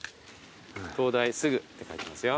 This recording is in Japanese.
「灯台すぐ」って書いてますよ。